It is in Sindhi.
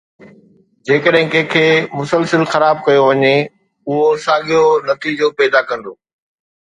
جيڪڏهن ڪنهن کي مسلسل خراب ڪيو وڃي، اهو ساڳيو نتيجو پيدا ڪندو